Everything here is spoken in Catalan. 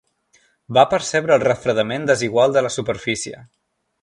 Va percebre el refredament desigual de la superfície.